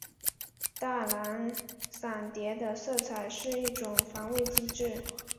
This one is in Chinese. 大蓝闪蝶的色彩是一种防卫机制。